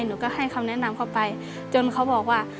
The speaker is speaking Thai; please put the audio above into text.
หนูก็ให้คำแนะนำเข้าไปจนเขาบอกว่า